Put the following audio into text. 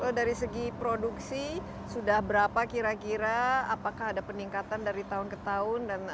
kalau dari segi produksi sudah berapa kira kira apakah ada peningkatan dari tahun ke tahun